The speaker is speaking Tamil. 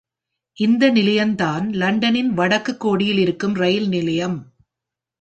இந்த நிலையம் தான் லண்டனின் வடக்கு கோடியில் இருக்கும் ரயில் நிலையம்.